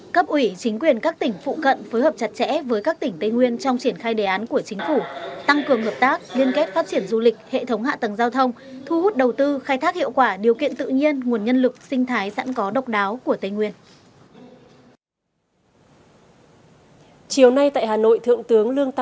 cấp ủy chính quyền các tỉnh phụ cận phối hợp chặt chẽ với các tỉnh tây nguyên trong triển khai đề án của chính phủ tăng cường hợp tác liên kết phát triển du lịch hệ thống hạ tầng giao thông thu hút đầu tư khai thác hiệu quả điều kiện tự nhiên nguồn nhân lực sinh thái sẵn có độc đáo của tây nguyên